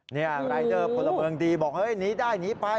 นี่รายเดอร์พลเบิร์งดีบอกนี่ได้นี่ไป